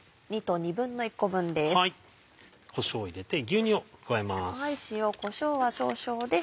こしょうを入れて牛乳を加えます。